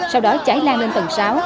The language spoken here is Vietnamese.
sau đó cháy lan lên tầng sáu